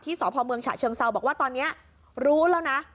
สพเมืองฉะเชิงเซาบอกว่าตอนนี้รู้แล้วนะ